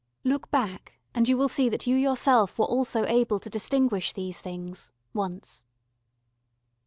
Look back, and you will see that you yourself were also able to distinguish these things once.